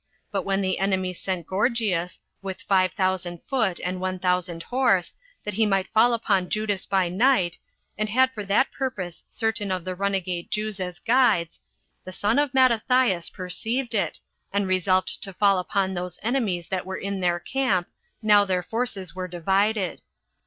But when the enemy sent Gorgias, with five thousand foot and one thousand horse, that he might fall upon Judas by night, and had for that purpose certain of the runagate Jews as guides, the son of Mattathias perceived it, and resolved to fall upon those enemies that were in their camp, now their forces were divided.